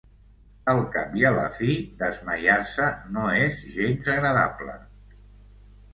Al cap i a la fi desmaiar-se no és gens agradable.